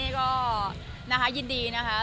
ก็ยินดีนะคะ